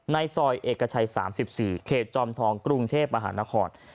ในซอยเอกชัย๓๔เขตจอมทองกรุงเทพมหานคร